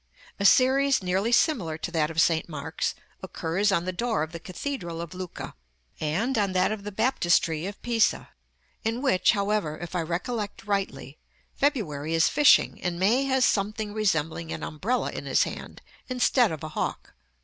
A series nearly similar to that of St. Mark's occurs on the door of the Cathedral of Lucca, and on that of the Baptistery of Pisa; in which, however, if I recollect rightly, February is fishing, and May has something resembling an umbrella in his hand, instead of a hawk.